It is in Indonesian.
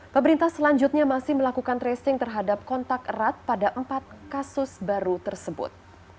pemerintah selanjutnya masih melakukan tracing terhadap kontak erat pada empat kasus baru tersebut